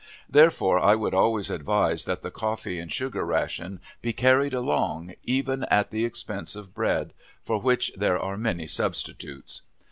Therefore I would always advise that the coffee and sugar ration be carried along, even at the expense of bread, for which there are many substitutes.